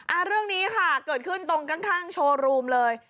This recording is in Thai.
เรื่องนี้ค่ะเกิดขึ้นตรงข้างข้างโชว์รูมเลย